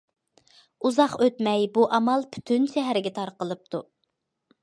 ئۇزاق ئۆتمەي بۇ ئامال پۈتۈن شەھەرگە تارقىلىپتۇ.